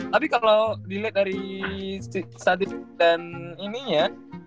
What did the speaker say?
tapi kalo diliat dari study pen ini ya